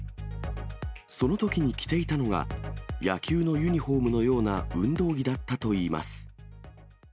そのときに着ていたのが、野球のユニホームのような運動着だったといいます。